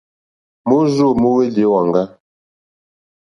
Môrzô móhwélì ó wàŋgá.